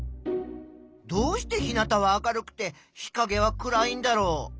どうして日なたは明るくて日かげは暗いんだろう？